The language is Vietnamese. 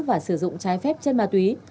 và sử dụng trái phép chất ma túy